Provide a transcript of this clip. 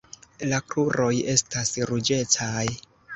La kruroj estas ruĝecaj.